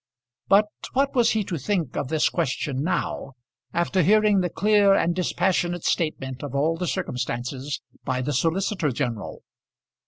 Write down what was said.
But what was he to think of this question now, after hearing the clear and dispassionate statement of all the circumstances by the solicitor general?